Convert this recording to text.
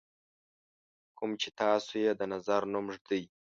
کوم چې تاسو یې د نظر نوم ږدئ.